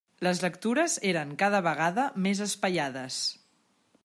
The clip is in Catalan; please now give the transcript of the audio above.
Les lectures eren cada vegada més espaiades.